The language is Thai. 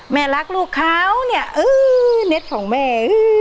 แม่รักลูกเขาเนี่ยเออเน็ตของแม่